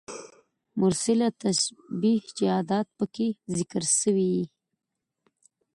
مرسله تشبېه چي ادات پکښي ذکر سوي يي.